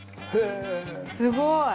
すごい！